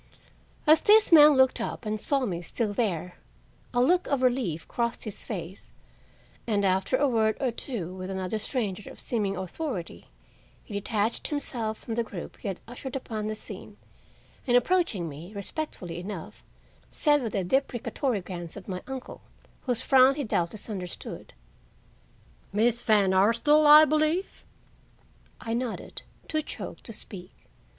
As this man looked up and saw me still there, a look of relief crossed his face, and, after a word or two with another stranger of seeming authority, he detached himself from the group he had ushered upon the scene, and, approaching me respectfully enough, said with a deprecatory glance at my uncle whose frown he doubtless understood: "Miss Van Arsdale, I believe?" I nodded, too choked to speak.